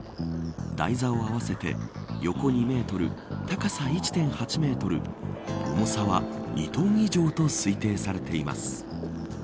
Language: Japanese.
台座を合わせて横２メートル高さ１．８メートル重さは２トン以上と推定されています。